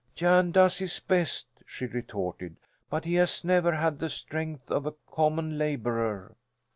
"Jan does his best," she retorted, "but he has never had the strength of a common labourer."